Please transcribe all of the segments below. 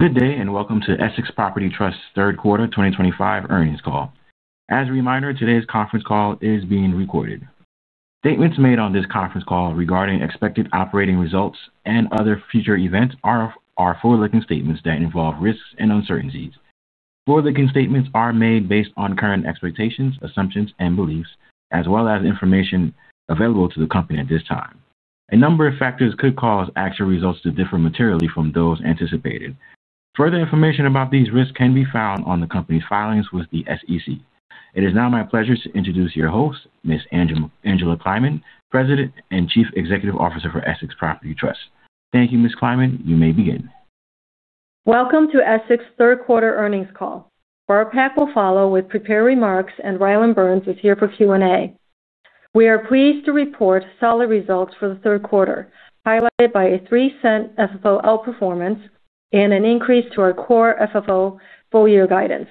Good day and welcome to Essex Property Trust's third quarter 2025 earnings call. As a reminder, today's conference call is being recorded. Statements made on this conference call regarding expected operating results and other future events are forward-looking statements that involve risks and uncertainties. Forward-looking statements are made based on current expectations, assumptions, and beliefs, as well as information available to the company at this time. A number of factors could cause actual results to differ materially from those anticipated. Further information about these risks can be found on the company's filings with the SEC. It is now my pleasure to introduce your host, Ms. Angela Kleiman President and Chief Executive Officer for Essex Property Trust. Thank you, Ms. Kleiman. You may begin. Welcome to Essex third quarter earnings call. Barb Pak will follow with prepared remarks, and Rylan Burns is here for Q&A. We are pleased to report solid results for the third quarter, highlighted by a $0.03 FFO outperformance and an increase to our core FFO full-year guidance.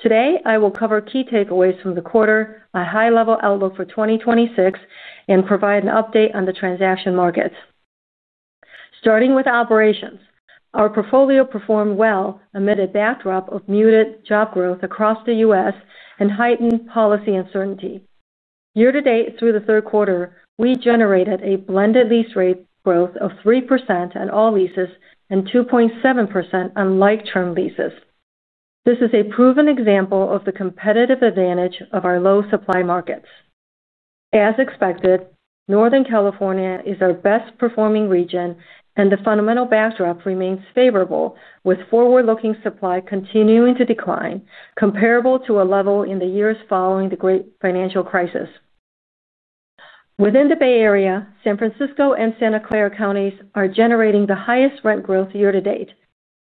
Today, I will cover key takeaways from the quarter, a high-level outlook for 2026, and provide an update on the transaction markets. Starting with operations, our portfolio performed well amid a backdrop of muted job growth across the U.S. and heightened policy uncertainty. Year-to-date through the third quarter, we generated a blended lease rate growth of 3% at all leases and 2.7% on like-term leases. This is a proven example of the competitive advantage of our low-supply markets. As expected, Northern California is our best-performing region, and the fundamental backdrop remains favorable, with forward-looking supply continuing to decline, comparable to a level in the years following the great financial crisis. Within the Bay Area, San Francisco and Santa Clara counties are generating the highest rent growth year-to-date,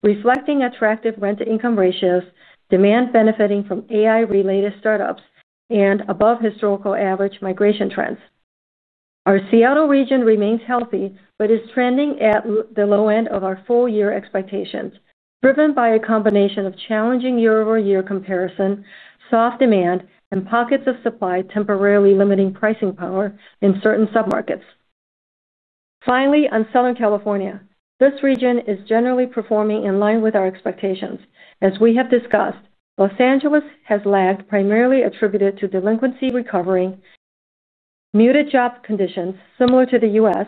reflecting attractive rent-to-income ratios, demand benefiting from AI-related startups, and above-historical-average migration trends. Our Seattle region remains healthy but is trending at the low end of our full-year expectations, driven by a combination of challenging year-over-year comparison, soft demand, and pockets of supply temporarily limiting pricing power in certain submarkets. Finally, on Southern California, this region is generally performing in line with our expectations. As we have discussed, Los Angeles has lagged, primarily attributed to delinquency recovering, muted job conditions similar to the U.S.,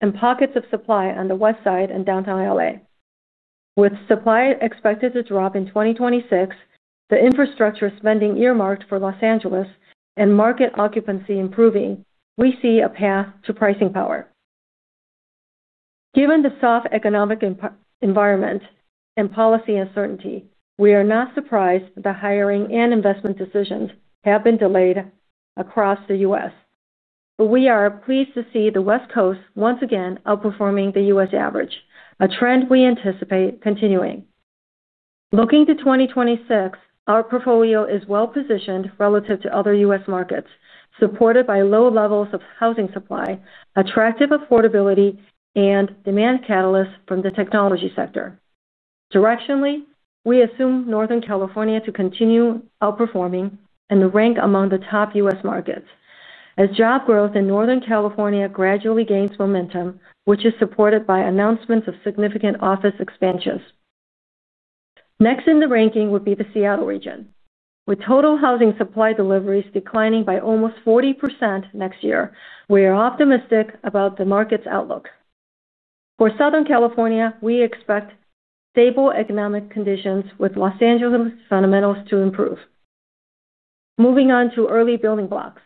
and pockets of supply on the Westside and downtown L.A. With supply expected to drop in 2026, the infrastructure spending earmarked for Los Angeles, and market occupancy improving, we see a path to pricing power. Given the soft economic environment and policy uncertainty, we are not surprised that hiring and investment decisions have been delayed across the U.S., but we are pleased to see the West Coast once again outperforming the U.S. average, a trend we anticipate continuing. Looking to 2026, our portfolio is well-positioned relative to other U.S. markets, supported by low levels of housing supply, attractive affordability, and demand catalysts from the technology sector. Directionally, we assume Northern California to continue outperforming and rank among the top U.S. markets, as job growth in Northern California gradually gains momentum, which is supported by announcements of significant office expansions. Next in the ranking would be the Seattle region. With total housing supply deliveries declining by almost 40% next year, we are optimistic about the market's outlook. For Southern California, we expect stable economic conditions, with Los Angeles fundamentals to improve. Moving on to early building blocks,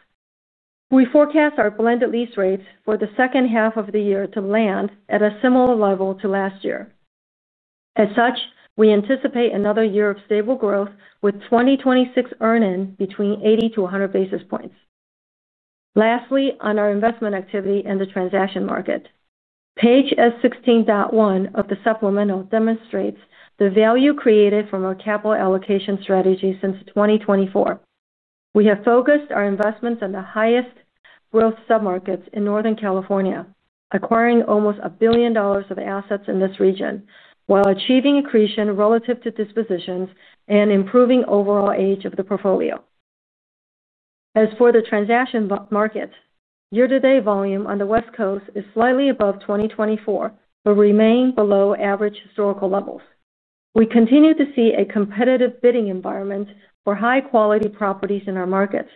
we forecast our blended lease rates for the second half of the year to land at a similar level to last year. As such, we anticipate another year of stable growth, with 2026 earning between 80-100 basis points. Lastly, on our investment activity and the transaction market. Page S16.1 of the supplemental demonstrates the value created from our capital allocation strategy since 2024. We have focused our investments on the highest growth submarkets in Northern California, acquiring almost $1 billion of assets in this region, while achieving accretion relative to dispositions and improving overall age of the portfolio. As for the transaction market, year-to-date volume on the West Coast is slightly above 2024 but remains below average historical levels. We continue to see a competitive bidding environment for high-quality properties in our markets,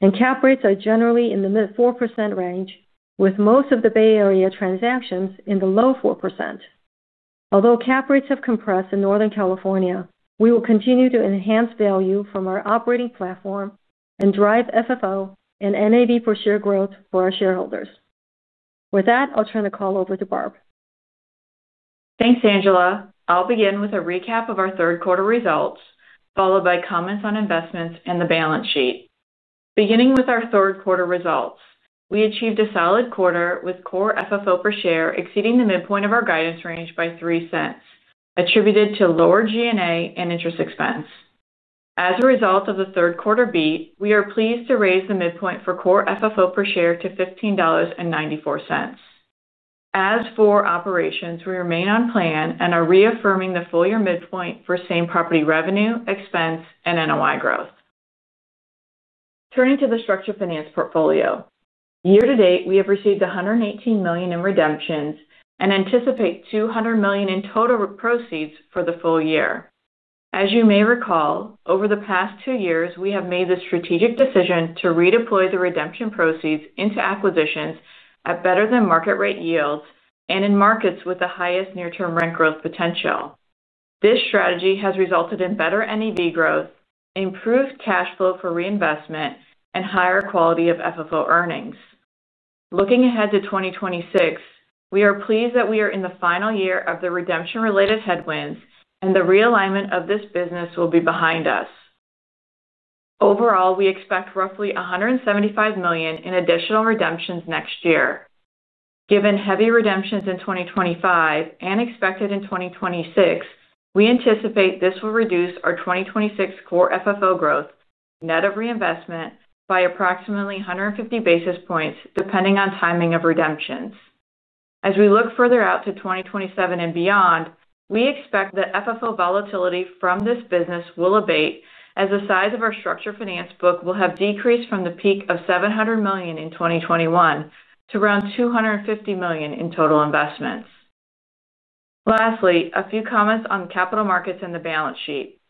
and cap rates are generally in the mid-4% range, with most of the Bay Area transactions in the low 4%. Although cap rates have compressed in Northern California, we will continue to enhance value from our operating platform and drive FFO and NAV per share growth for our shareholders. With that, I'll turn the call over to Barb. Thanks, Angela. I'll begin with a recap of our third quarter results, followed by comments on investments and the balance sheet. Beginning with our third quarter results, we achieved a solid quarter with core FFO per share exceeding the midpoint of our guidance range by $0.03, attributed to lower G&A and interest expense. As a result of the third quarter beat, we are pleased to raise the midpoint for core FFO per share to $15.94. As for operations, we remain on plan and are reaffirming the full-year midpoint for same property revenue, expense, and NOI growth. Turning to the structured finance portfolio, year-to-date, we have received $118 million in redemptions and anticipate $200 million in total proceeds for the full year. As you may recall, over the past two years, we have made the strategic decision to redeploy the redemption proceeds into acquisitions at better-than-market rate yields and in markets with the highest near-term rent growth potential. This strategy has resulted in better NAV growth, improved cash flow for reinvestment, and higher quality of FFO earnings. Looking ahead to 2026, we are pleased that we are in the final year of the redemption-related headwinds, and the realignment of this business will be behind us. Overall, we expect roughly $175 million in additional redemptions next year. Given heavy redemptions in 2025 and expected in 2026, we anticipate this will reduce our 2026 core FFO growth, net of reinvestment, by approximately 150 basis points, depending on timing of redemptions. As we look further out to 2027 and beyond, we expect that FFO volatility from this business will abate, as the size of our structured finance book will have decreased from the peak of $700 million in 2021 to around $250 million in total investments. Lastly, a few comments on capital markets and the balance sheet.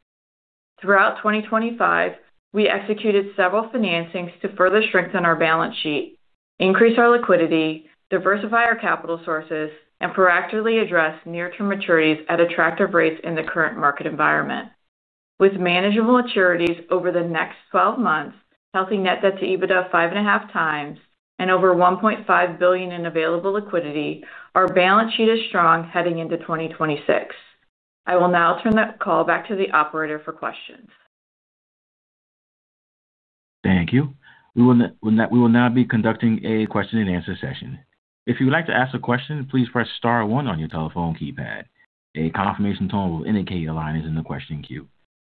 Throughout 2025, we executed several financings to further strengthen our balance sheet, increase our liquidity, diversify our capital sources, and proactively address near-term maturities at attractive rates in the current market environment. With manageable maturities over the next 12 months, healthy net debt to EBITDA of 5.5x, and over $1.5 billion in available liquidity, our balance sheet is strong heading into 2026. I will now turn the call back to the operator for questions. Thank you. We will now be conducting a question-and-answer session. If you would like to ask a question, please press star one on your telephone keypad. A confirmation tone will indicate your line is in the question queue.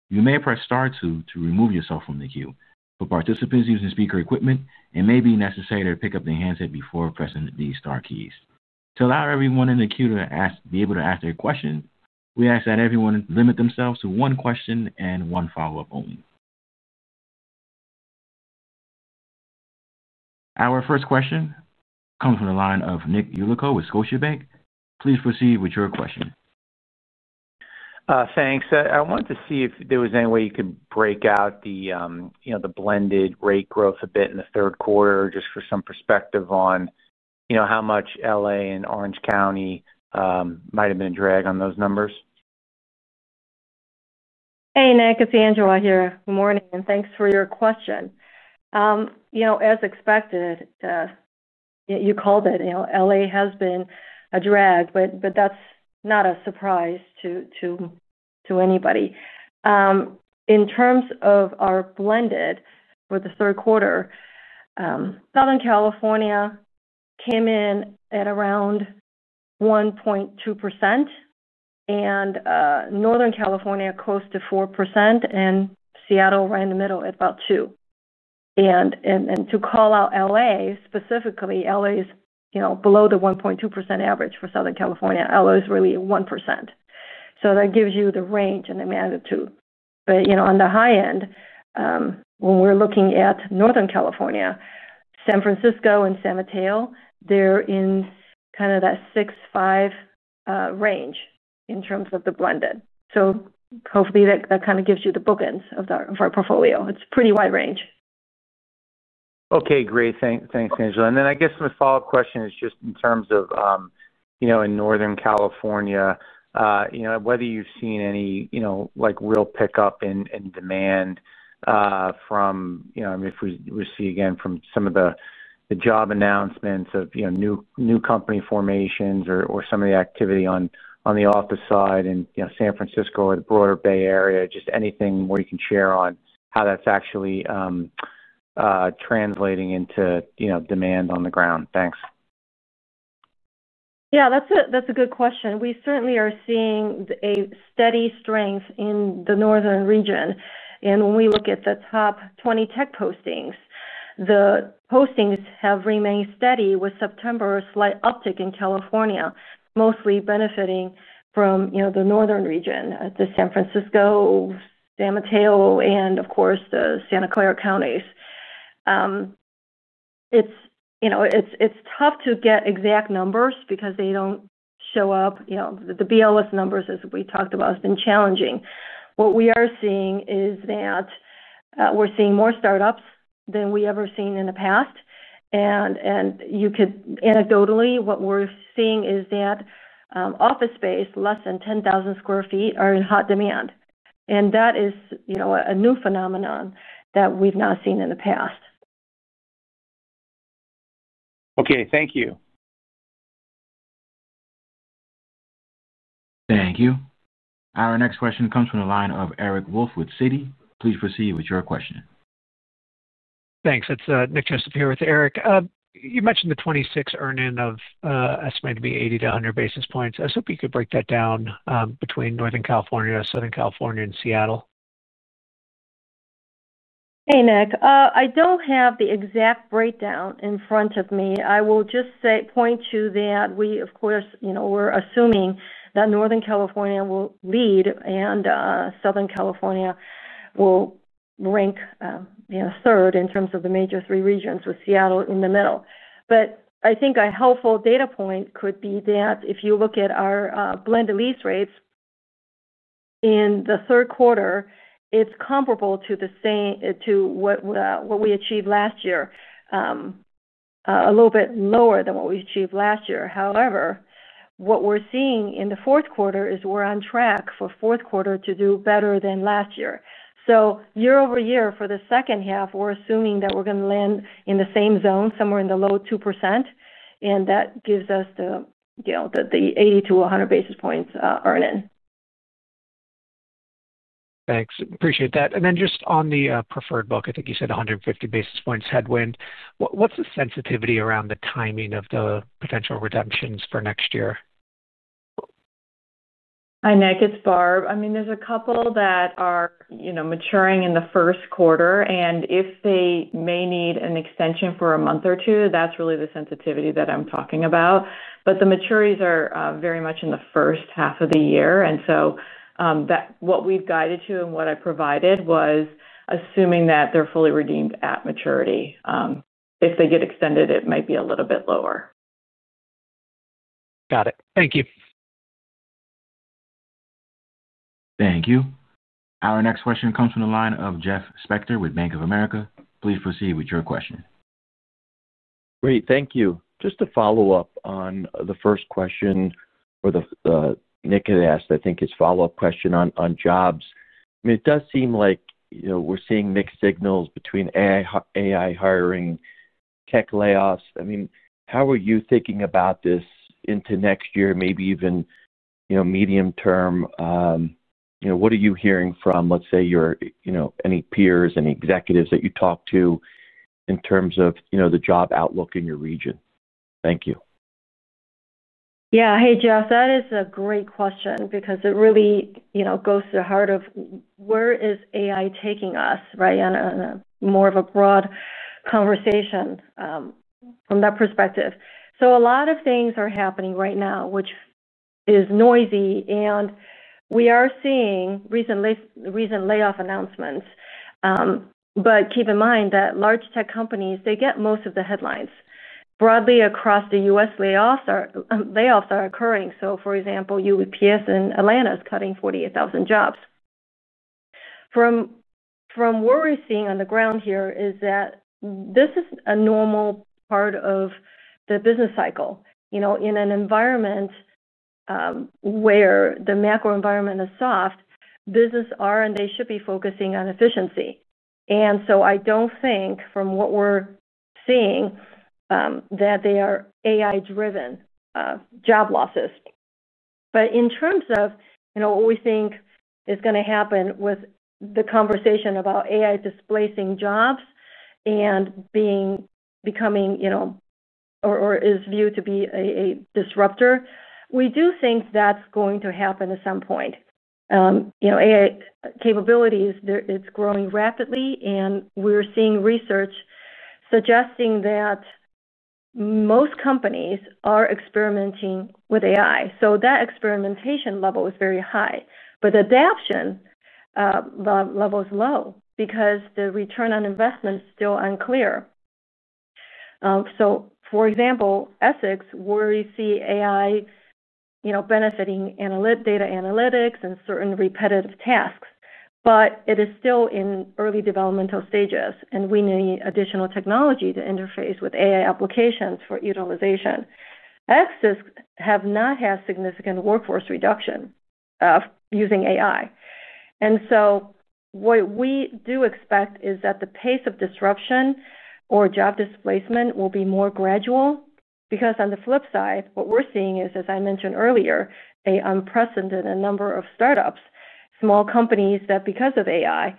You may press tar two to remove yourself from the queue. For participants using speaker equipment, it may be necessary to pick up the handset before pressing the star keys. To allow everyone in the queue to be able to ask their question, we ask that everyone limit themselves to one question and one follow-up only. Our first question comes from the line of Nick Yulico with Scotiabank. Please proceed with your question. Thanks. I wanted to see if there was any way you could break out the blended rate growth a bit in the third quarter, just for some perspective on how much L.A. and Orange County might have been a drag on those numbers. Hey, Nick. It's Angela here. Good morning, and thanks for your question. As expected, you called it, L.A. has been a drag, but that's not a surprise to anybody. In terms of our blended for the third quarter, Southern California came in at around 1.2%, and Northern California close to 4%, and Seattle right in the middle at about 2%. To call out L.A. specifically, L.A. is below the 1.2% average for Southern California. L.A. is really 1%. That gives you the range and the magnitude. On the high end, when we're looking at Northern California, San Francisco and San Mateo, they're in kind of that 6.5% range in terms of the blended. Hopefully, that kind of gives you the bookends of our portfolio. It's a pretty wide range. Okay, great. Thanks, Angela. My follow-up question is just in terms of Northern California, whether you've seen any real pickup in demand. If we see again from some of the job announcements of new company formations or some of the activity on the office side in San Francisco or the broader Bay Area, is there anything you can share on how that's actually translating into demand on the ground? Thanks. Yeah, that's a good question. We certainly are seeing a steady strength in the Northern region. When we look at the top 20 tech postings, the postings have remained steady with September's slight uptick in California, mostly benefiting from the Northern region, the San Francisco, San Mateo, and of course, the Santa Clara counties. It's tough to get exact numbers because they don't show up. The BLS numbers, as we talked about, have been challenging. What we are seeing is that we're seeing more startups than we ever seen in the past. Anecdotally, what we're seeing is that office space, less than 10,000 sq ft, are in hot demand. That is a new phenomenon that we've not seen in the past. Okay, thank you. Thank you. Our next question comes from the line of Eric Wolfe with Citi. Please proceed with your question. Thanks. It's Nick Joseph here with Eric. You mentioned the 2026 earning of estimated to be 80-100 basis points. I was hoping you could break that down between Northern California, Southern California, and Seattle. Hey, Nick. I don't have the exact breakdown in front of me. I will just point to that we, of course, we're assuming that Northern California will lead and Southern California will rank third in terms of the major three regions, with Seattle in the middle. I think a helpful data point could be that if you look at our blended lease rates in the third quarter, it's comparable to what we achieved last year, a little bit lower than what we achieved last year. However, what we're seeing in the fourth quarter is we're on track for fourth quarter to do better than last year. Year-over-year, for the second half, we're assuming that we're going to land in the same zone, somewhere in the low 2%. That gives us the 80-100 basis points earning. Thanks. Appreciate that. On the preferred book, I think you said 150 basis points headwind. What's the sensitivity around the timing of the potential redemptions for next year? Hi, Nick. It's Barb. There are a couple that are maturing in the first quarter, and if they may need an extension for a month or two, that's really the sensitivity that I'm talking about. The maturities are very much in the first half of the year. What we've guided to and what I provided was assuming that they're fully redeemed at maturity. If they get extended, it might be a little bit lower. Got it. Thank you. Thank you. Our next question comes from the line of Jeff Spector with Bank of America. Please proceed with your question. Great. Thank you. Just to follow up on the first question Nick had asked, I think his follow-up question on jobs. It does seem like we're seeing mixed signals between AI hiring and tech layoffs. How are you thinking about this into next year, maybe even medium term? What are you hearing from, let's say, any peers or any executives that you talk to in terms of the job outlook in your region? Thank you. Yeah. Hey, Jeff, that is a great question because it really goes to the heart of where is AI taking us, right, in more of a broad conversation from that perspective. A lot of things are happening right now, which is noisy. We are seeing recent layoff announcements. Keep in mind that large tech companies get most of the headlines. Broadly across the U.S., layoffs are occurring. For example, UPS in Atlanta is cutting 48,000 jobs. From what we're seeing on the ground here, this is a normal part of the business cycle. In an environment where the macro environment is soft, business R&D should be focusing on efficiency. I don't think, from what we're seeing, that they are AI-driven job losses. In terms of what we think is going to happen with the conversation about AI displacing jobs and becoming, or is viewed to be, a disruptor, we do think that's going to happen at some point. AI capabilities, it's growing rapidly, and we're seeing research suggesting that most companies are experimenting with AI. That experimentation level is very high, but the adoption level is low because the return on investment is still unclear. For example, Essex, where we see AI benefiting data analytics and certain repetitive tasks, but it is still in early developmental stages, and we need additional technology to interface with AI applications for utilization. Essex has not had significant workforce reduction using AI. What we do expect is that the pace of disruption or job displacement will be more gradual. On the flip side, what we're seeing is, as I mentioned earlier, an unprecedented number of startups, small companies that, because of AI,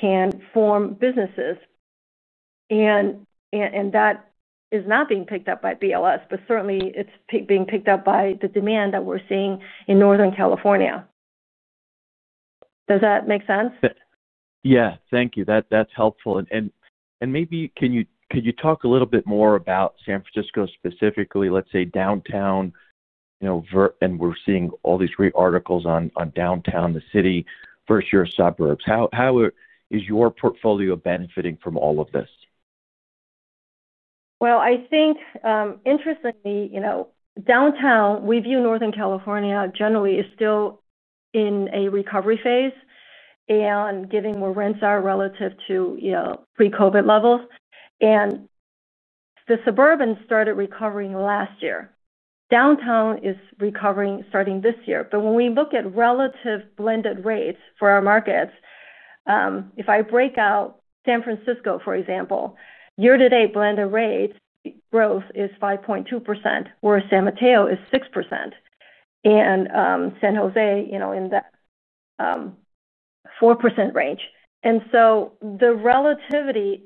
can form businesses. That is not being picked up by BLS, but certainly it's being picked up by the demand that we're seeing in Northern California. Does that make sense? Thank you. That's helpful. Maybe can you talk a little bit more about San Francisco specifically, let's say, downtown. We're seeing all these great articles on downtown, the city, first-year suburbs. How is your portfolio benefiting from all of this? Interestingly, downtown, we view Northern California generally is still in a recovery phase and getting more rents out relative to pre-COVID levels. The suburban started recovering last year. Downtown is recovering starting this year. When we look at relative blended rates for our markets, if I break out San Francisco, for example, year-to-date blended rate growth is 5.2%, where San Mateo is 6%, and San Jose in the 4% range. The relativity,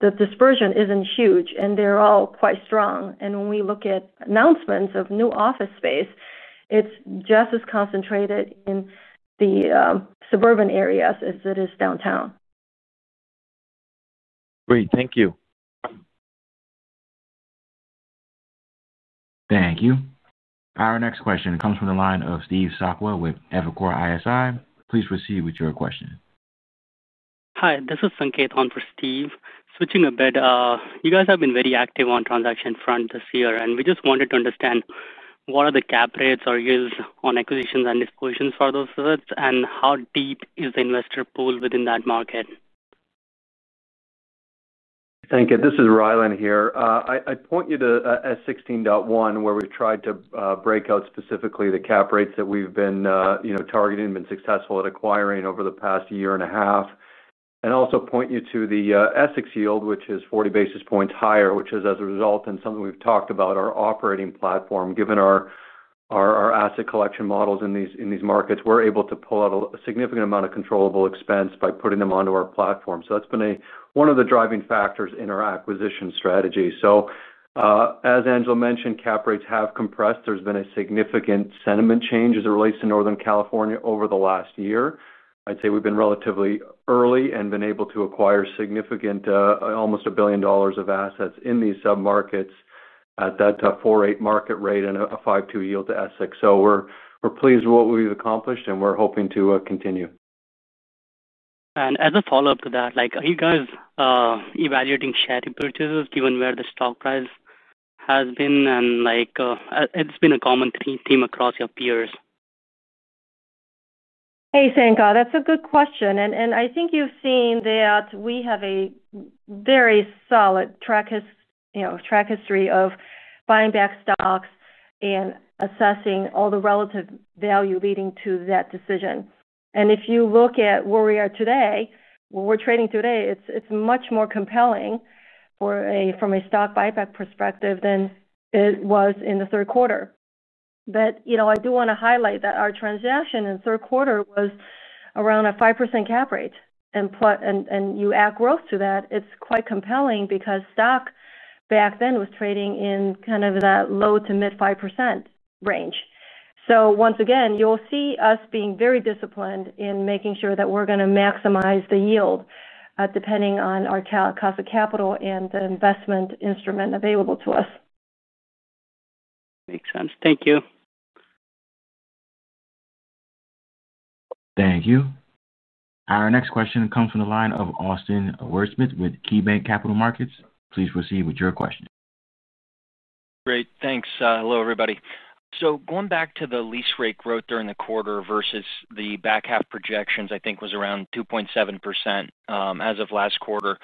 the dispersion isn't huge, and they're all quite strong. When we look at announcements of new office space, it's just as concentrated in the suburban areas as it is downtown. Great. Thank you. Thank you. Our next question comes from the line of Steve Sakwa with Evercore ISI. Please proceed with your question. Hi, this is Sanket on for Steve. Switching a bit, you guys have been very active on the transaction front this year, and we just wanted to understand what are the cap rates or yields on acquisitions and dispositions for those assets, and how deep is the investor pool within that market? Thank you. This is Rylan here. I'd point you to Essex 16.1, where we've tried to break out specifically the cap rates that we've been targeting and been successful at acquiring over the past year and a half. I also point you to the Essex yield, which is 40 basis points higher, which is, as a result, and something we've talked about, our operating platform. Given our asset collection models in these markets, we're able to pull out a significant amount of controllable expense by putting them onto our platform. That's been one of the driving factors in our acquisition strategy. As Angela mentioned, cap rates have compressed. There's been a significant sentiment change as it relates to Northern California over the last year. I'd say we've been relatively early and been able to acquire significant, almost $1 billion of assets in these submarkets at that 4.8% market rate and a 5.2% yield to Essex. We're pleased with what we've accomplished, and we're hoping to continue. As a follow-up to that, are you guys evaluating share repurchases given where the stock price has been? It's been a common theme across your peers. Hey, Sanket, that's a good question. I think you've seen that we have a very solid track record of buying back stocks and assessing all the relative value leading to that decision. If you look at where we are today, where we're trading today, it's much more compelling from a stock buyback perspective than it was in the third quarter. I do want to highlight that our transaction in the third quarter was around a 5% cap rate. You add growth to that, it's quite compelling because stock back then was trading in kind of that low to mid 5% range. Once again, you'll see us being very disciplined in making sure that we're going to maximize the yield depending on our cost of capital and the investment instrument available to us. Makes sense. Thank you. Thank you. Our next question comes from the line of Austin Wurschmidt with KeyBanc Capital Markets. Please proceed with your question. Great. Thanks. Hello, everybody. Going back to the lease rate growth during the quarter versus the back half projections, I think it was around 2.7% as of last quarter.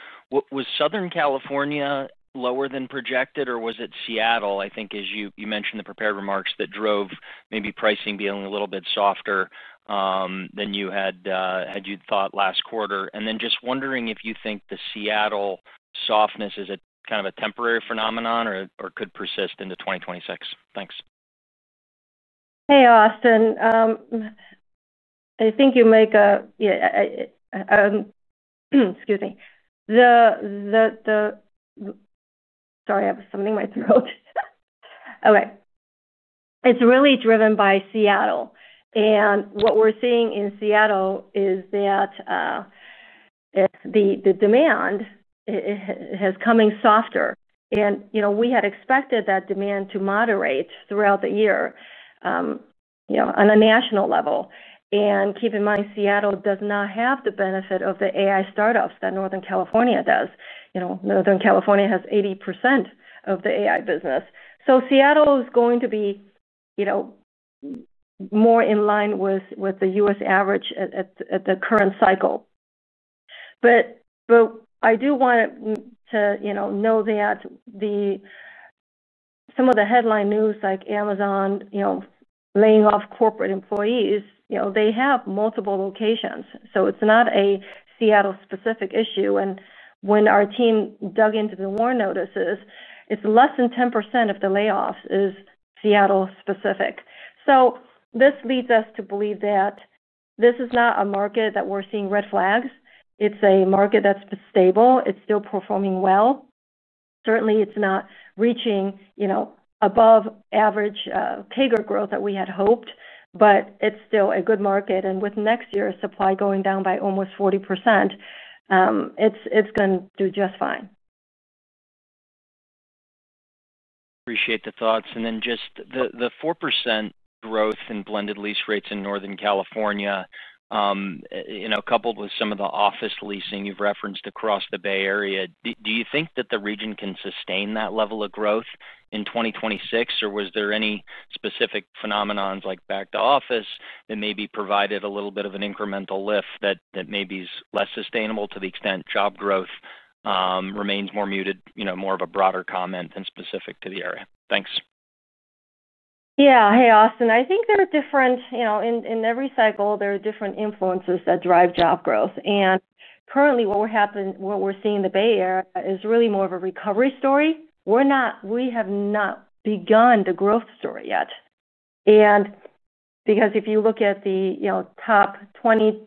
Was Southern California lower than projected, or was it Seattle, as you mentioned in the prepared remarks, that drove maybe pricing being a little bit softer than you thought last quarter? I'm just wondering if you think the Seattle softness is kind of a temporary phenomenon or could persist into 2026. Thanks. Hey, Austin. I think you make a—excuse me. Sorry, I have something in my throat. Okay. It's really driven by Seattle. What we're seeing in Seattle is that the demand is coming softer. We had expected that demand to moderate throughout the year on a national level. Keep in mind, Seattle does not have the benefit of the AI startups that Northern California does. Northern California has 80% of the AI business. Seattle is going to be more in line with the U.S. average at the current cycle. I do want to note that some of the headline news, like Amazon laying off corporate employees, they have multiple locations. It's not a Seattle-specific issue. When our team dug into the WARN notices, it's less than 10% of the layoffs that is Seattle-specific. This leads us to believe that this is not a market where we're seeing red flags. It's a market that's stable. It's still performing well. Certainly, it's not reaching above-average CAGR growth that we had hoped, but it's still a good market. With next year's supply going down by almost 40%, it's going to do just fine. Appreciate the thoughts. Just the 4% growth in blended lease rates in Northern California, coupled with some of the office leasing you've referenced across the Bay Area, do you think that the region can sustain that level of growth in 2026? Was there any specific phenomenon like back to office that maybe provided a little bit of an incremental lift that maybe is less sustainable to the extent job growth remains more muted, more of a broader comment than specific to the area? Thanks. Yeah. Hey, Austin. I think there are different influences in every cycle that drive job growth. Currently, what we're seeing in the Bay Area is really more of a recovery story. We have not begun the growth story yet, because if you look at the top 20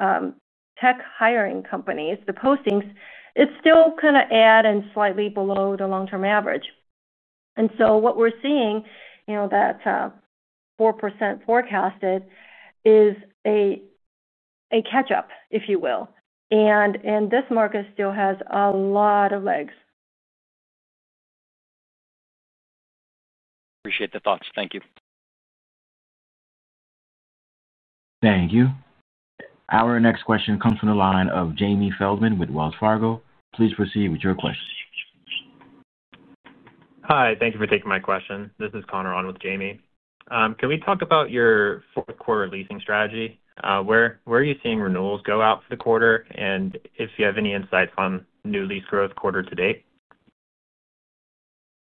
tech hiring companies, the postings are still kind of at and slightly below the long-term average. What we're seeing, that 4% forecasted, is a catch-up, if you will, and this market still has a lot of legs. Appreciate the thoughts. Thank you. Thank you. Our next question comes from the line of Jamie Feldman with Wells Fargo. Please proceed with your question. Hi. Thank you for taking my question. This is Connor on with Jamie. Can we talk about your fourth-quarter leasing strategy? Where are you seeing renewals go out for the quarter? If you have any insights on new lease growth quarter to date?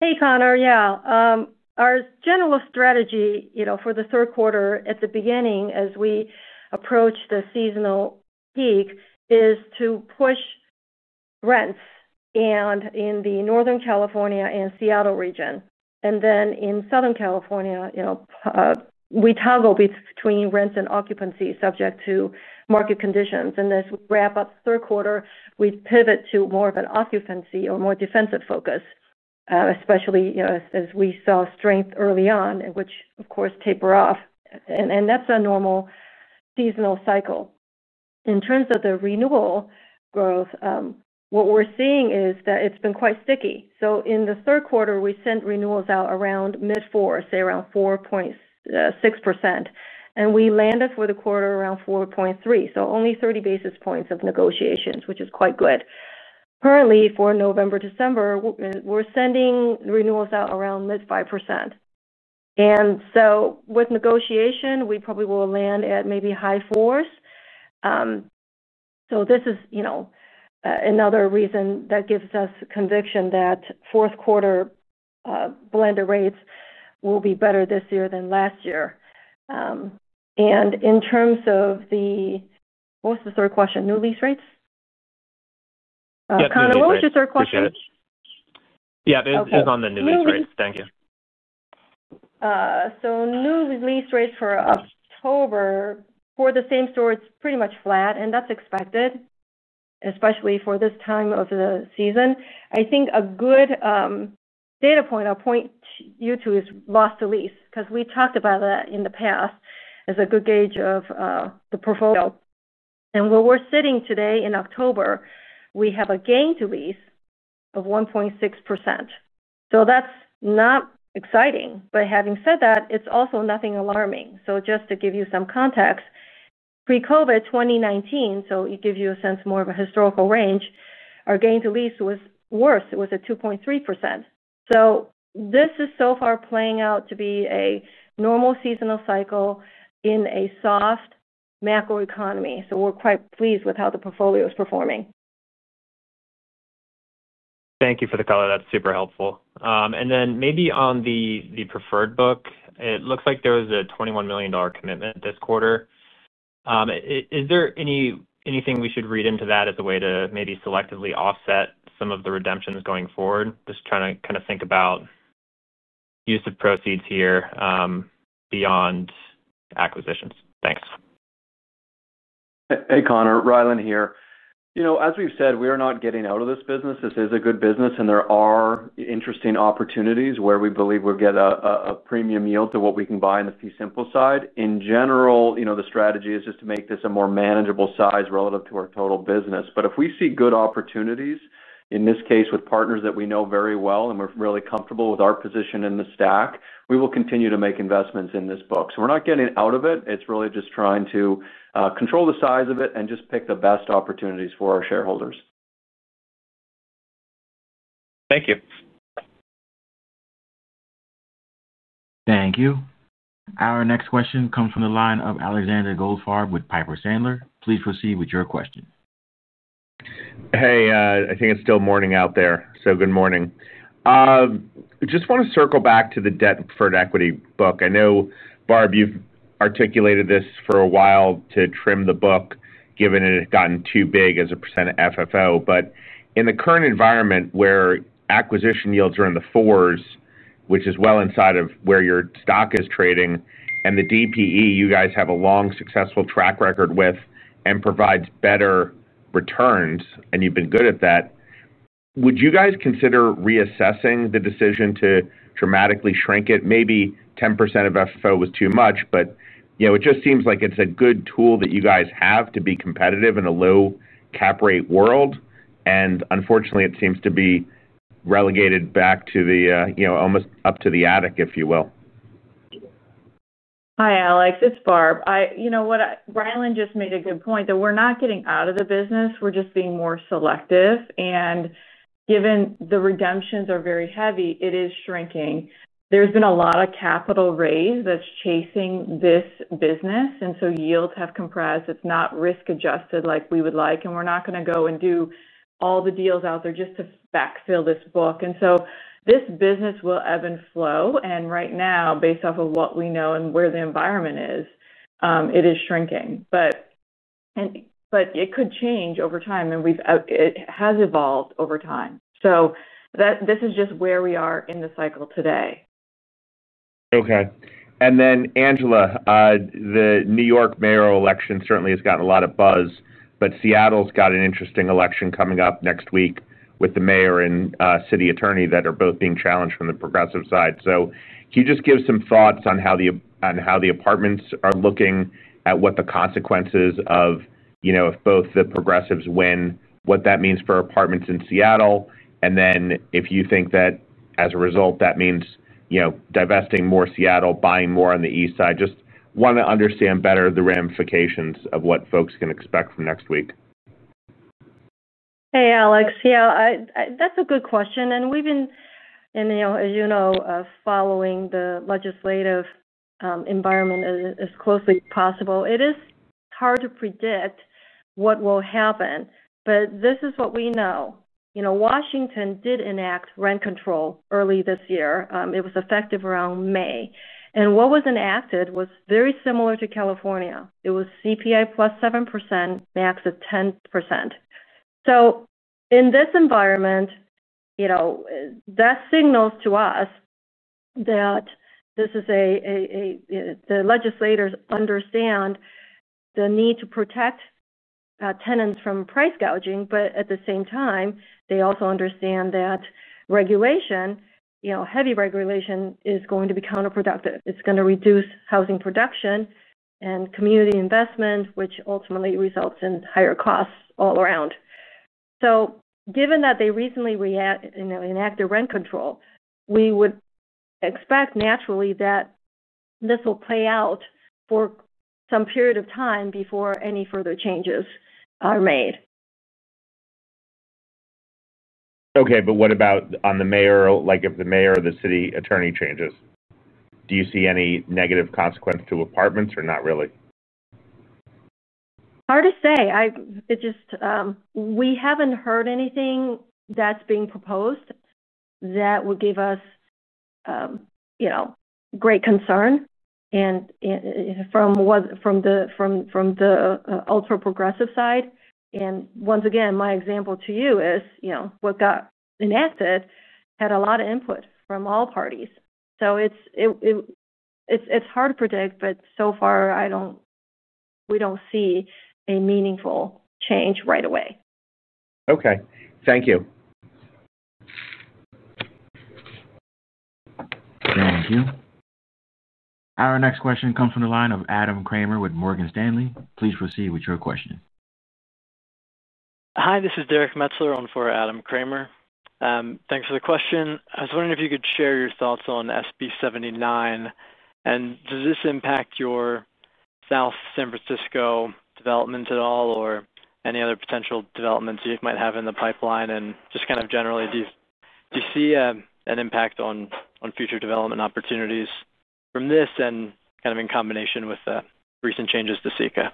Hey, Connor. Yeah. Our general strategy for the third quarter at the beginning, as we approach the seasonal peak, is to push rents in the Northern California and Seattle region. In Southern California, we toggle between rents and occupancy, subject to market conditions. As we wrap up the third quarter, we pivot to more of an occupancy or more defensive focus, especially as we saw strength early on, which, of course, tapered off. That's a normal seasonal cycle. In terms of the renewal growth, what we're seeing is that it's been quite sticky. In the third quarter, we sent renewals out around mid 4%, say around 4.6%, and we landed for the quarter around 4.3%. Only 30 basis points of negotiations, which is quite good. Currently, for November, December, we're sending renewals out around mid 5%. With negotiation, we probably will land at maybe high 4%. This is another reason that gives us conviction that fourth-quarter blended rates will be better this year than last year. In terms of the—what was the third question? New lease rates? Connor, what was your third question? Yeah. This is on the new lease rates. Thank you. New lease rates for October, for the same store, are pretty much flat, and that's expected, especially for this time of the season. I think a good data point I'll point you to is loss to lease because we talked about that in the past as a good gauge of the portfolio. Where we're sitting today in October, we have a gain to lease of 1.6%. That's not exciting, but having said that, it's also nothing alarming. Just to give you some context, pre-COVID, 2019, so it gives you a sense more of a historical range, our gain to lease was worse. It was at 2.3%. This is so far playing out to be a normal seasonal cycle in a soft macro economy. We're quite pleased with how the portfolio is performing. Thank you for the color. That's super helpful. Maybe on the preferred book, it looks like there was a $21 million commitment this quarter. Is there anything we should read into that as a way to maybe selectively offset some of the redemptions going forward? Just trying to kind of think about use of proceeds here beyond acquisitions. Thanks. Hey, Connor. Rylan here. As we've said, we are not getting out of this business. This is a good business, and there are interesting opportunities where we believe we'll get a premium yield to what we can buy on the fee simple side. In general, the strategy is just to make this a more manageable size relative to our total business. If we see good opportunities, in this case with partners that we know very well and we're really comfortable with our position in the stack, we will continue to make investments in this book. We're not getting out of it. It's really just trying to control the size of it and just pick the best opportunities for our shareholders. Thank you. Thank you. Our next question comes from the line of Alexander Goldfarb with Piper Sandler. Please proceed with your question. Hey, I think it's still morning out there. Good morning. I just want to circle back to the debt and preferred equity book. I know, Barb, you've articulated this for a while to trim the book given it had gotten too big as a percent of FFO. In the current environment where acquisition yields are in the 4%, which is well inside of where your stock is trading, and the DPE you guys have a long successful track record with and provides better returns, and you've been good at that. Would you guys consider reassessing the decision to dramatically shrink it? Maybe 10% of FFO was too much, but it just seems like it's a good tool that you guys have to be competitive in a low cap rate world. Unfortunately, it seems to be relegated back to almost up to the attic, if you will. Hi, Alex. It's Barb. Rylan just made a good point that we're not getting out of the business. We're just being more selective. Given the redemptions are very heavy, it is shrinking. There's been a lot of capital raise that's chasing this business, and so yields have compressed. It's not risk-adjusted like we would like. We're not going to go and do all the deals out there just to backfill this book. This business will ebb and flow. Right now, based off of what we know and where the environment is, it is shrinking. It could change over time, and it has evolved over time. This is just where we are in the cycle today. Okay. Angela, the New York mayoral election certainly has gotten a lot of buzz, but Seattle's got an interesting election coming up next week with the mayor and city attorney that are both being challenged from the progressive side. Can you just give some thoughts on how the apartments are looking at what the consequences of, if both the progressives win, what that means for apartments in Seattle? If you think that, as a result, that means divesting more Seattle, buying more on the east side, just want to understand better the ramifications of what folks can expect from next week. Hey, Alex. Yeah, that's a good question. We've been, as you know, following the legislative environment as closely as possible. It is hard to predict what will happen, but this is what we know. Washington did enact rent control early this year. It was effective around May. What was enacted was very similar to California. It was CPI +7%, max of 10%. In this environment, that signals to us that the legislators understand the need to protect tenants from price gouging, but at the same time, they also understand that heavy regulation is going to be counterproductive. It's going to reduce housing production and community investment, which ultimately results in higher costs all around. Given that they recently enacted rent control, we would expect, naturally, that this will play out for some period of time before any further changes are made. Okay. What about on the mayor? If the mayor or the city attorney changes, do you see any negative consequence to apartment communities or not really? Hard to say. We haven't heard anything that's being proposed that would give us great concern from the ultra-progressive side. My example to you is what got enacted had a lot of input from all parties. It's hard to predict, but so far, we don't see a meaningful change right away. Okay, thank you. Thank you. Our next question comes from the line of Adam Kramer with Morgan Stanley. Please proceed with your question. Hi, this is Derrick Metzler on for Adam Kramer. Thanks for the question. I was wondering if you could share your thoughts on SB 79. Does this impact your South San Francisco developments at all or any other potential developments you might have in the pipeline? Do you see an impact on future development opportunities from this in combination with the recent changes to SECA?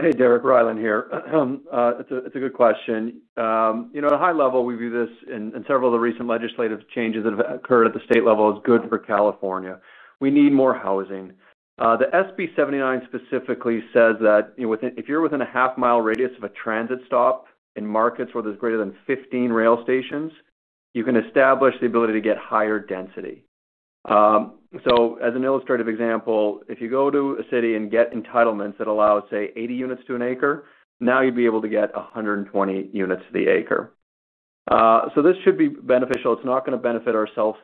Hey, Derrick. Rylan here. It's a good question. At a high level, we view this and several of the recent legislative changes that have occurred at the state level as good for California. We need more housing. The SB 79 specifically says that if you're within a half-mile radius of a transit stop in markets where there's greater than 15 rail stations, you can establish the ability to get higher density. As an illustrative example, if you go to a city and get entitlements that allow, say, 80 units to an acre, now you'd be able to get 120 units to the acre. This should be beneficial. It's not going to benefit our South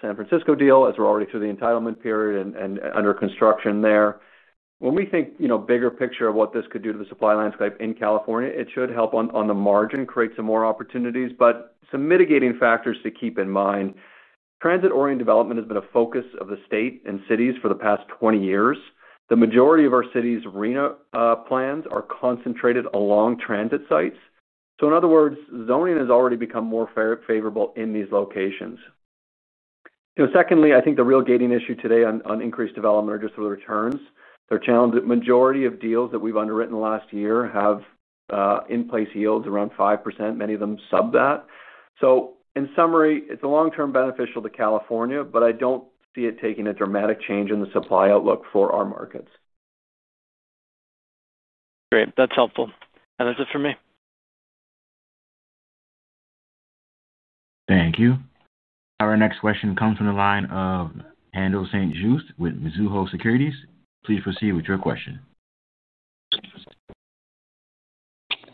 San Francisco deal as we're already through the entitlement period and under construction there. When we think bigger picture of what this could do to the supply landscape in California, it should help on the margin create some more opportunities. There are some mitigating factors to keep in mind. Transit-oriented development has been a focus of the state and cities for the past 20 years. The majority of our city's arena plans are concentrated along transit sites. In other words, zoning has already become more favorable in these locations. Secondly, I think the real gating issue today on increased development are just the returns. The majority of deals that we've underwritten last year have in-place yields around 5%, many of them sub that. In summary, it's long-term beneficial to California, but I don't see it taking a dramatic change in the supply outlook for our markets. Great. That's helpful. That's it for me. Thank you. Our next question comes from the line of Haendel St. Juste with Mizuho Securities. Please proceed with your question.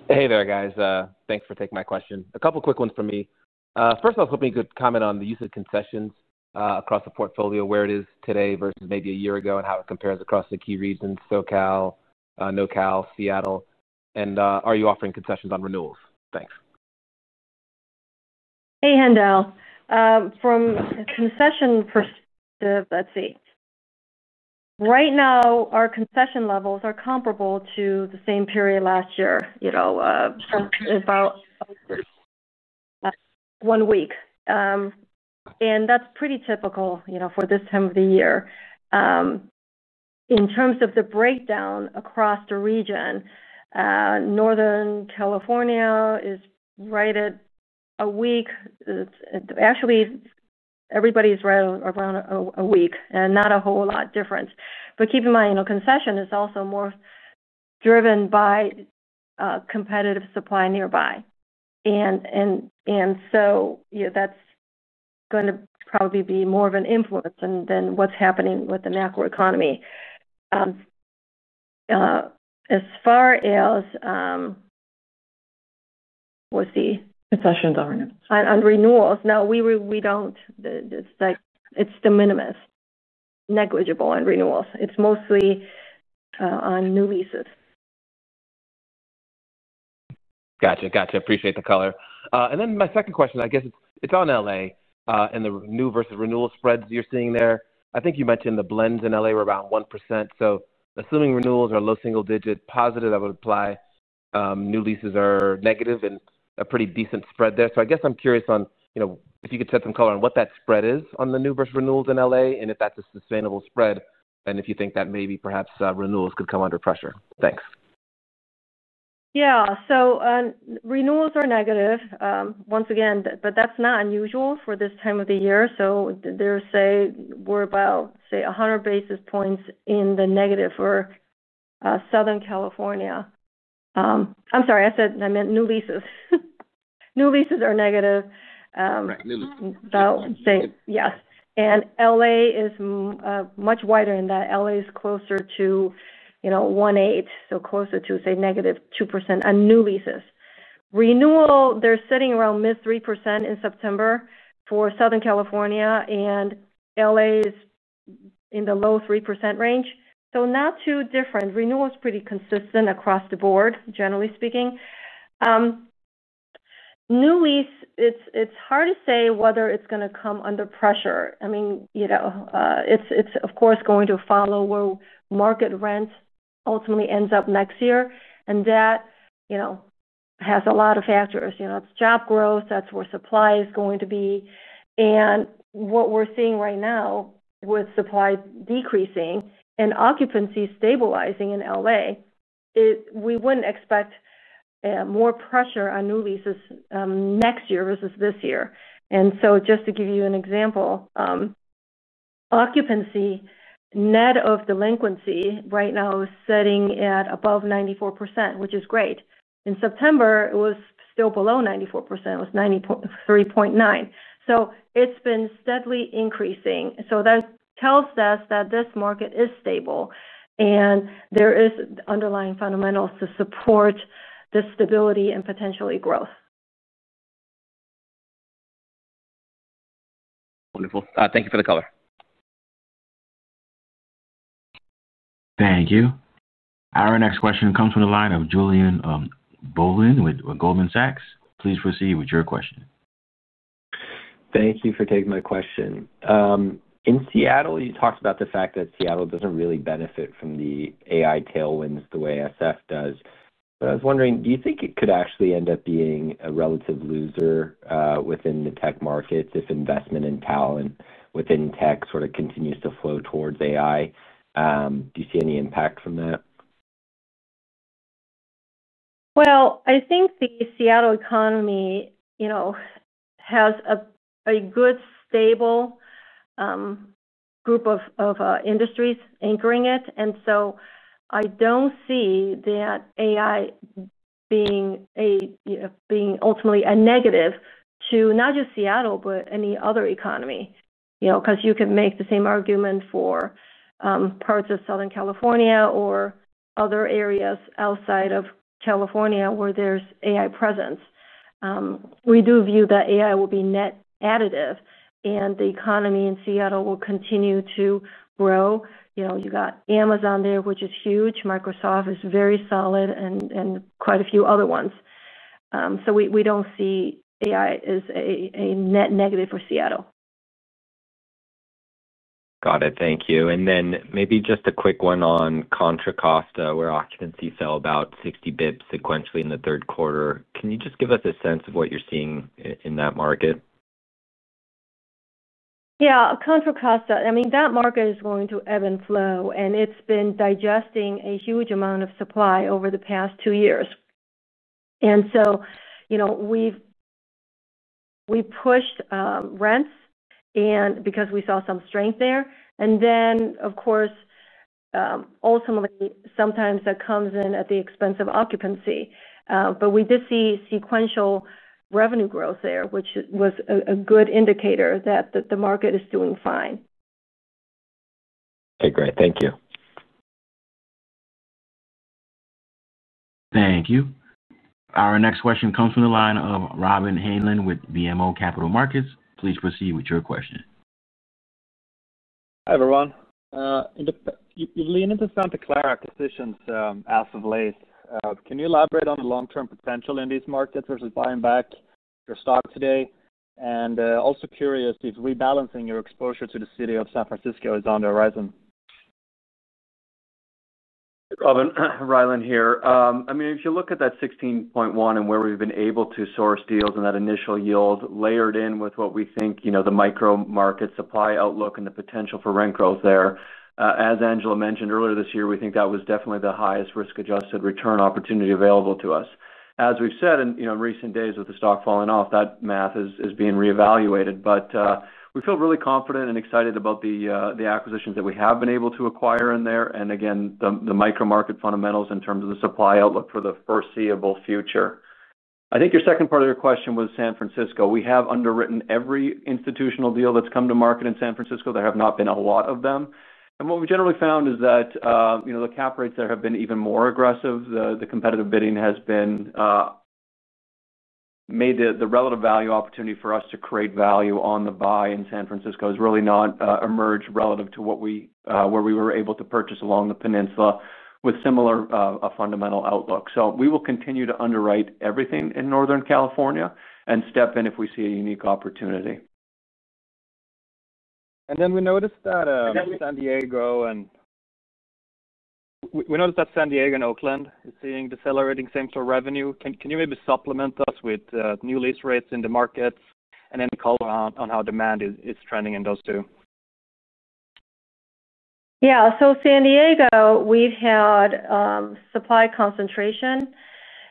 Hey there, guys. Thanks for taking my question. A couple of quick ones from me. First off, I'm hoping you could comment on the use of concessions across the portfolio, where it is today versus maybe a year ago, and how it compares across the key regions: SoCal, NorCal, Seattle. Are you offering concessions on renewals? Thanks. Hey, Haendel. From a concession perspective, let's see. Right now, our concession levels are comparable to the same period last year. One week. That's pretty typical for this time of the year. In terms of the breakdown across the region, Northern California is right at a week. Actually, everybody's right around a week and not a whole lot different. Keep in mind, concession is also more driven by competitive supply nearby. That's going to probably be more of an influence than what's happening with the macro economy. As far as what's the concessions on renewals, no, we don't. It's de minimis. Negligible on renewals. It's mostly on new leases. Gotcha. Appreciate the color. My second question, I guess it's on L.A. and the new versus renewal spreads you're seeing there. I think you mentioned the blends in L.A. were around 1%. Assuming renewals are low single-digit positive, that would apply. New leases are negative and a pretty decent spread there. I'm curious if you could set some color on what that spread is on the new versus renewals in L.A. and if that's a sustainable spread and if you think that maybe perhaps renewals could come under pressure. Thanks. Yeah. Renewals are negative once again, but that's not unusual for this time of the year. We're about 100 basis points in the negative for Southern California. I'm sorry, I meant new leases. New leases are negative. Right. New leases. Yes. L.A. is much wider in that. L.A. is closer to 1.8%, so closer to, say, -2% on new leases. Renewal, they're sitting around mid 3% in September for Southern California, and L.A. is in the low 3% range. Not too different. Renewal is pretty consistent across the board, generally speaking. New lease, it's hard to say whether it's going to come under pressure. It's, of course, going to follow where market rent ultimately ends up next year. That has a lot of factors. It's job growth. That's where supply is going to be. What we're seeing right now with supply decreasing and occupancy stabilizing in L.A., we wouldn't expect more pressure on new leases next year versus this year. Just to give you an example, occupancy net of delinquency right now is sitting at above 94%, which is great. In September, it was still below 94%. It was 93.9%. It's been steadily increasing. That tells us that this market is stable and there are underlying fundamentals to support the stability and potentially growth. Wonderful. Thank you for the color. Thank you. Our next question comes from the line of Julien Blouin with Goldman Sachs. Please proceed with your question. Thank you for taking my question. In Seattle, you talked about the fact that Seattle doesn't really benefit from the AI tailwinds the way San Francisco does. I was wondering, do you think it could actually end up being a relative loser within the tech markets if investment and talent within tech sort of continues to flow towards AI? Do you see any impact from that? I think the Seattle economy has a good, stable group of industries anchoring it. I don't see that AI being ultimately a negative to not just Seattle, but any other economy. You can make the same argument for parts of Southern California or other areas outside of California where there's AI presence. We do view that AI will be net additive, and the economy in Seattle will continue to grow. You got Amazon there, which is huge. Microsoft is very solid and quite a few other ones. We don't see AI as a net negative for Seattle. Got it. Thank you. Maybe just a quick one on Contra Costa, where occupancy fell about 60 bps sequentially in the third quarter. Can you just give us a sense of what you're seeing in that market? Yeah. Contra Costa, I mean, that market is going to ebb and flow, and it's been digesting a huge amount of supply over the past two years. We've pushed rents because we saw some strength there. Of course, ultimately, sometimes that comes in at the expense of occupancy. We did see sequential revenue growth there, which was a good indicator that the market is doing fine. Okay. Great. Thank you. Thank you. Our next question comes from the line of Robin Haneland with BMO Capital Markets. Please proceed with your question. Hi, everyone. You've leaned into some declarative decisions as of late. Can you elaborate on the long-term potential in these markets versus buying back your stock today? Also, curious if rebalancing your exposure to the city of San Francisco is on the horizon. Robin, Rylan here. I mean, if you look at that 16.1 and where we've been able to source deals and that initial yield layered in with what we think the micro market supply outlook and the potential for rent growth there, as Angela mentioned earlier this year, we think that was definitely the highest risk-adjusted return opportunity available to us. As we've said, in recent days with the stock falling off, that math is being reevaluated. We feel really confident and excited about the acquisitions that we have been able to acquire in there. Again, the micro market fundamentals in terms of the supply outlook for the foreseeable future. I think your second part of your question was San Francisco. We have underwritten every institutional deal that's come to market in San Francisco. There have not been a lot of them. What we generally found is that the cap rates there have been even more aggressive. The competitive bidding has made the relative value opportunity for us to create value on the buy in San Francisco really not emerged relative to where we were able to purchase along the peninsula with similar fundamental outlook. We will continue to underwrite everything in Northern California and step in if we see a unique opportunity. We noticed that San Diego and Oakland are seeing decelerating same-store revenue. Can you maybe supplement us with new lease rates in the markets and then comment on how demand is trending in those two? San Diego, we've had supply concentration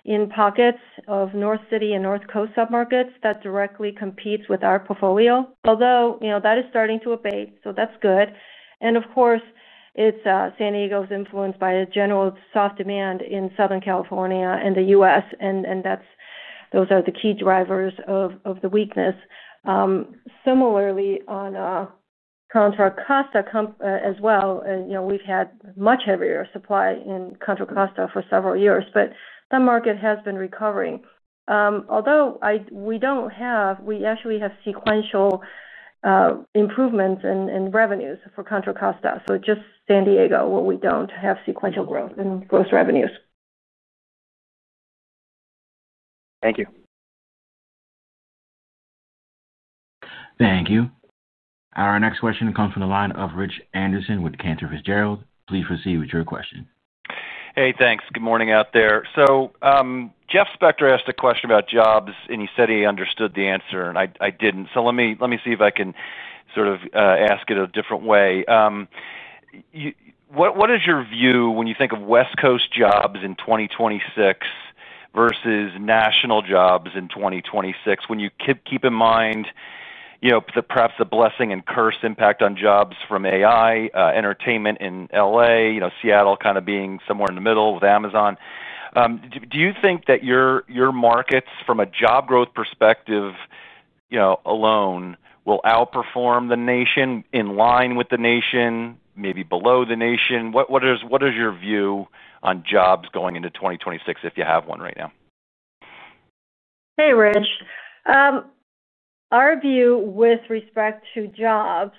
in pockets of North City and North Coast submarkets that directly competes with our portfolio, although that is starting to abate. That's good. Of course, San Diego is influenced by a general soft demand in Southern California and the U.S., and those are the key drivers of the weakness. Similarly, on Contra Costa as well, we've had much heavier supply in Contra Costa for several years, but that market has been recovering. Although we don't have, we actually have sequential improvements in revenues for Contra Costa. Just San Diego, where we don't have sequential growth in gross revenues. Thank you. Thank you. Our next question comes from the line of Rich Anderson with Cantor Fitzgerald. Please proceed with your question. Hey, thanks. Good morning out there. Jeff Spector asked a question about jobs, and he said he understood the answer, and I didn't. Let me see if I can sort of ask it a different way. What is your view when you think of West Coast jobs in 2026 versus national jobs in 2026? When you keep in mind perhaps the blessing and curse impact on jobs from AI, entertainment in L.A., Seattle kind of being somewhere in the middle with Amazon, do you think that your markets, from a job growth perspective alone, will outperform the nation, be in line with the nation, maybe below the nation? What is your view on jobs going into 2026, if you have one right now? Hey, Rich. Our view with respect to jobs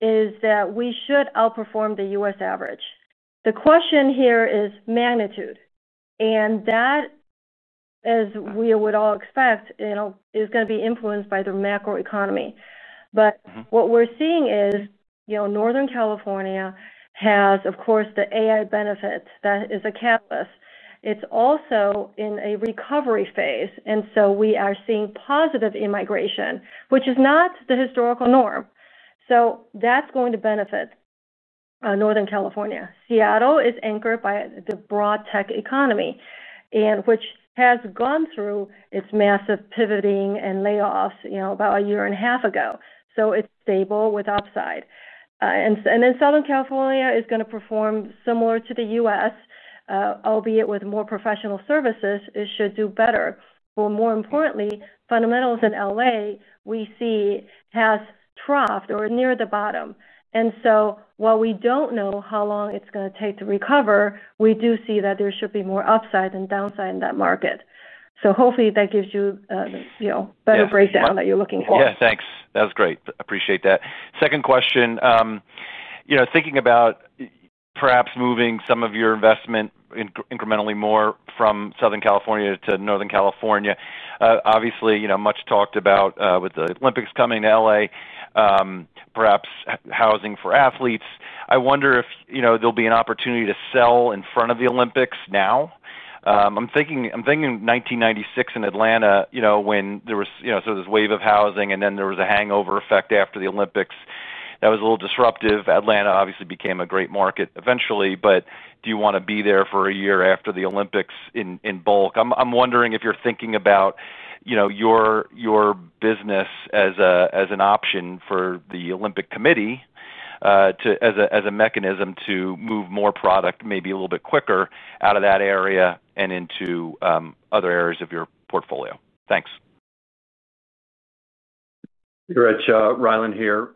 is that we should outperform the U.S. average. The question here is magnitude. That, as we would all expect, is going to be influenced by the macro economy. What we're seeing is Northern California has, of course, the AI benefit that is a catalyst. It's also in a recovery phase, and we are seeing positive immigration, which is not the historical norm. That's going to benefit Northern California. Seattle is anchored by the broad tech economy, which has gone through its massive pivoting and layoffs about a year and a half ago. It's stable with upside. Southern California is going to perform similar to the U.S., albeit with more professional services. It should do better. More importantly, fundamentals in L.A., we see, have troughed or are near the bottom. While we don't know how long it's going to take to recover, we do see that there should be more upside than downside in that market. Hopefully, that gives you a better breakdown that you're looking for. Yeah. Thanks. That was great. Appreciate that. Second question. Thinking about perhaps moving some of your investment incrementally more from Southern California to Northern California. Obviously, much talked about with the Olympics coming to L.A. Perhaps housing for athletes. I wonder if there'll be an opportunity to sell in front of the Olympics now. I'm thinking 1996 in Atlanta when there was sort of this wave of housing, and then there was a hangover effect after the Olympics. That was a little disruptive. Atlanta obviously became a great market eventually. Do you want to be there for a year after the Olympics in bulk? I'm wondering if you're thinking about your business as an option for the Olympic Committee as a mechanism to move more product maybe a little bit quicker out of that area and into other areas of your portfolio. Thanks. Rylan here.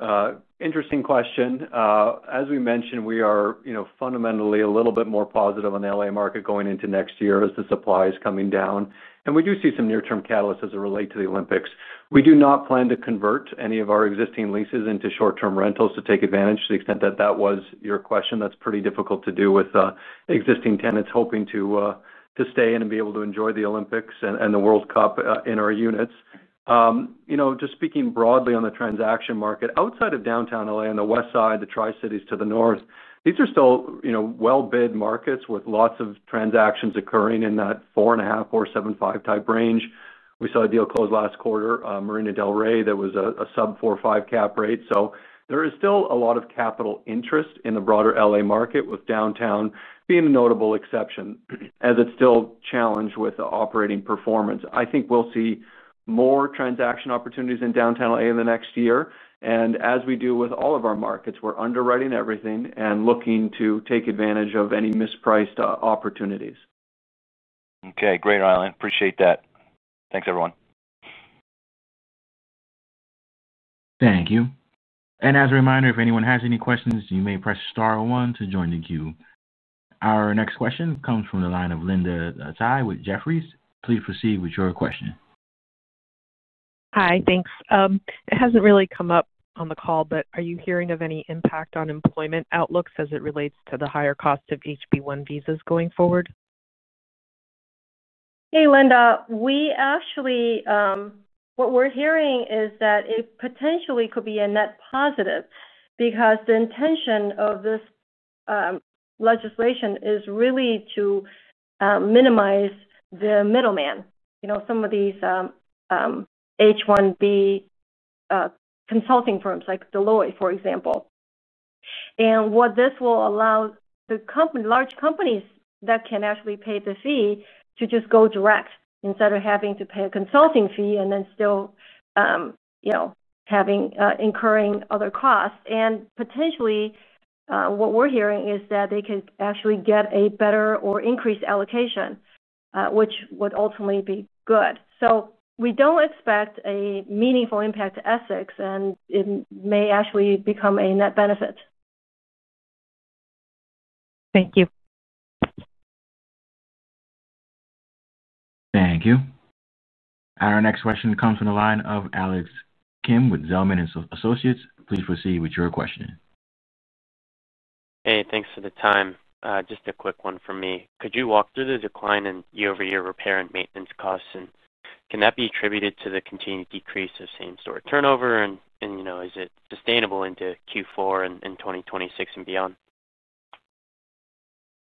Interesting question. As we mentioned, we are fundamentally a little bit more positive on the L.A. market going into next year as the supply is coming down. We do see some near-term catalysts as it relates to the Olympics. We do not plan to convert any of our existing leases into short-term rentals to take advantage to the extent that that was your question. That's pretty difficult to do with existing tenants hoping to stay and be able to enjoy the Olympics and the World Cup in our units. Just speaking broadly on the transaction market, outside of downtown L.A. on the Westside, the Tri-Cities to the north, these are still well-bid markets with lots of transactions occurring in that 4.5% or 7.5% type range. We saw a deal close last quarter, Marina del Rey, that was a sub 4.5% cap rate. There is still a lot of capital interest in the broader L.A. market with downtown being a notable exception as it's still challenged with operating performance. I think we'll see more transaction opportunities in downtown L.A. in the next year. As we do with all of our markets, we're underwriting everything and looking to take advantage of any mispriced opportunities. Okay. Great, Rylan. Appreciate that. Thanks, everyone. Thank you. As a reminder, if anyone has any questions, you may press star one to join the queue. Our next question comes from the line of Linda Tsai with Jefferies. Please proceed with your question. Hi. Thanks. It hasn't really come up on the call, but are you hearing of any impact on employment outlooks as it relates to the higher cost of H-1B visas going forward? Hey, Linda. What we're hearing is that it potentially could be a net positive because the intention of this legislation is really to minimize the middleman, some of these H-1B consulting firms like Deloitte, for example. What this will allow is the large companies that can actually pay the fee to just go direct instead of having to pay a consulting fee and then still incurring other costs. Potentially, what we're hearing is that they could actually get a better or increased allocation, which would ultimately be good. We don't expect a meaningful impact to Essex, and it may actually become a net benefit. Thank you. Thank you. Our next question comes from the line of Alex Kim with Zelman & Associates. Please proceed with your question. Hey, thanks for the time. Just a quick one from me. Could you walk through the decline in year-over-year repair and maintenance costs? Can that be attributed to the continued decrease of same-store turnover? Is it sustainable into Q4 in 2026 and beyond?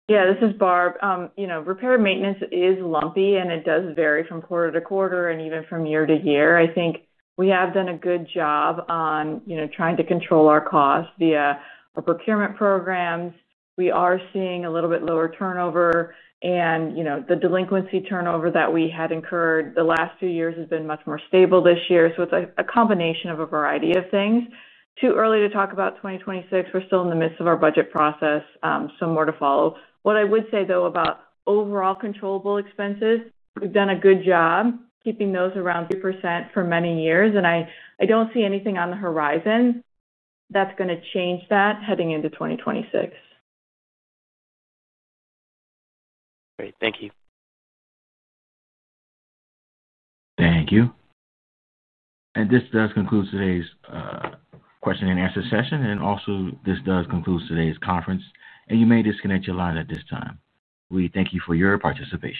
Yeah. This is Barb. Repair and maintenance is lumpy, and it does vary from quarter to quarter and even from year to year. I think we have done a good job on trying to control our costs via our procurement programs. We are seeing a little bit lower turnover, and the delinquency turnover that we had incurred the last few years has been much more stable this year. It's a combination of a variety of things. Too early to talk about 2026. We're still in the midst of our budget process, some more to follow. What I would say, though, about overall controllable expenses, we've done a good job keeping those around 3% for many years. I don't see anything on the horizon that's going to change that heading into 2026. Great. Thank you. Thank you. This does conclude today's question and answer session. This also concludes today's conference. You may disconnect your line at this time. We thank you for your participation.